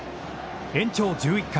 延長１１回。